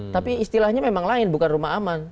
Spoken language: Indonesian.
tapi istilahnya memang lain bukan rumah aman